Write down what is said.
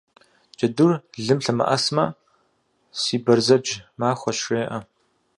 Джэдур лым лъэмыӏэсмэ, си бэрзэдж махуэщ, жеӏэ.